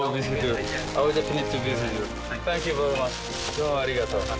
どうもありがとう。